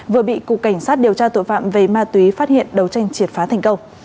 vừa bị cục cảnh sát điều tra tội phạm về ma túy phát hiện đấu tranh triệt phá thành công